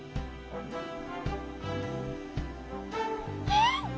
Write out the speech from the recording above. えっ！